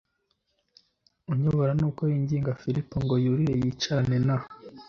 unyobora nuko yinginga filipo ngo yurire yicarane na